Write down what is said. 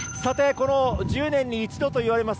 この１０年に一度といわれます